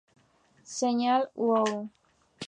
Señal Wow!